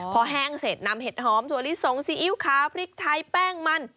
พอแห้งเสร็จนำเห็ดหอมถั่วลิสงซีอิ๊วขาวพริกไทยแป้งมัน